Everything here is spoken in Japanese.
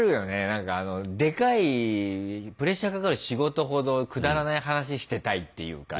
何かでかいプレッシャーかかる仕事ほどくだらない話してたいっていうか。